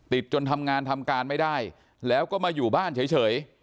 จนทำงานทำการไม่ได้แล้วก็มาอยู่บ้านเฉย